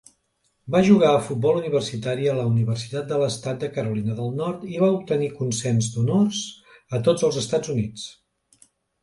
Va jugar a futbol universitari a la Universitat de l'Estat de Carolina del Nord i va obtenir consens d'honors a tots els Estats Units.